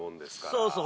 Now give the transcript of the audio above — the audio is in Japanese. そうそう。